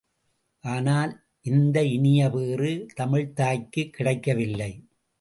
ஆனால் இந்த இனிய பேறு, தமிழ்த் தாய்க்குக் கிடைக்கவில்லை.